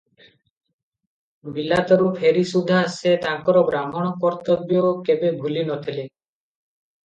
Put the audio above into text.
ବିଲାତରୁ ଫେରି ସୁଦ୍ଧା ସେ ତାଙ୍କର ବ୍ରାହ୍ମଣ କର୍ତ୍ତବ୍ୟ କେବେ ଭୁଲି ନ ଥିଲେ ।